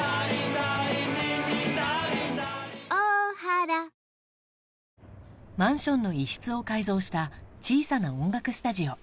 ララララマンションの一室を改造した小さな音楽スタジオ